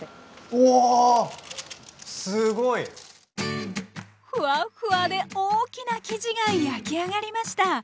おすごい！フワフワで大きな生地が焼き上がりました。